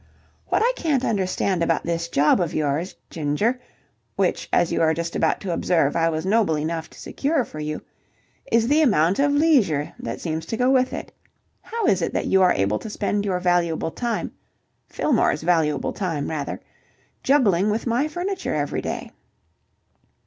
"What I can't understand about this job of yours. Ginger which as you are just about to observe, I was noble enough to secure for you is the amount of leisure that seems to go with it. How is it that you are able to spend your valuable time Fillmore's valuable time, rather juggling with my furniture every day?"